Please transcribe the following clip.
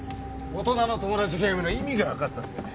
大人のトモダチゲームの意味がわかったぜ。